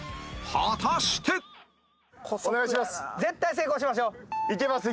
果たしてお願いします。